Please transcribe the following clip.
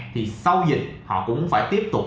thì sau dịch họ cũng phải tiếp tục